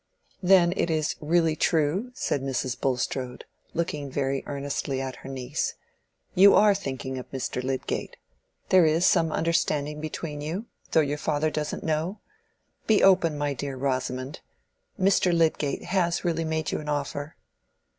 "Then it is really true?" said Mrs. Bulstrode, looking very earnestly at her niece. "You are thinking of Mr. Lydgate—there is some understanding between you, though your father doesn't know. Be open, my dear Rosamond: Mr. Lydgate has really made you an offer?"